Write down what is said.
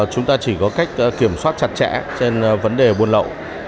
chúng ta chỉ có cách kiểm soát chặt chẽ trên vấn đề buôn lậu